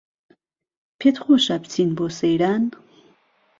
پێتخۆشە بچین بۆ سەیران